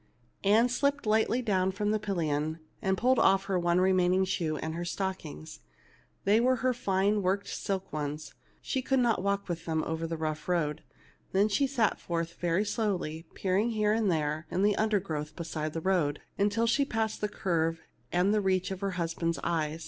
Ann slipped lightly down from the pillion, and 234 THE LITTLE MAID AT THE DOOR pulled off her one remaining shoe and her stock ings ; they were her fine worked silk ones, and she could not walk in them over the rough road. Then she set forth very slowly, peering here and there in the undergrowth beside the road, until she passed the curve and the reach of her hus band's eyes.